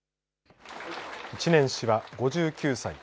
知念氏は５９歳。